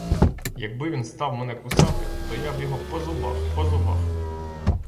Якби він став мене кусати, то я б його по зубах, по зубах!